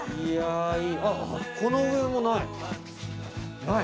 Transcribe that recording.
あこの上もない。